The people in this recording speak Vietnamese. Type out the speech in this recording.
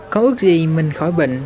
con ước gì mình khỏi bệnh